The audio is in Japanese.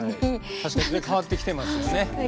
確かにね変わってきてますね。